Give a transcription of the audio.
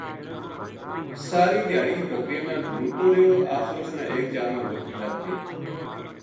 ساری دھیاڑی بکریاں نا ڈھُونڈتو رہیو آخر اس نا ایک جا ما بکری لَبھ گئی